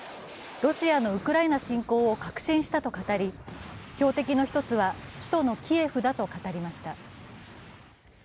ロシアのウクライナ侵攻を確信したと語り、標的の一つは首都のキエフだと語りました。